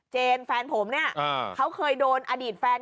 เจนแฟนผมเนี่ยเขาเคยโดน